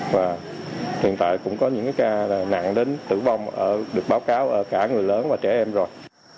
và hiện tại cũng có những ca nặng đến tử vong được báo cáo ở cả người lớn và trẻ em rồi